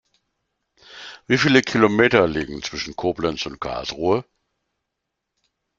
Wie viele Kilometer liegen zwischen Koblenz und Karlsruhe?